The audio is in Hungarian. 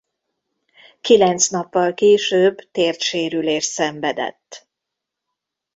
Kilenc nappal később térdsérülést szenvedett.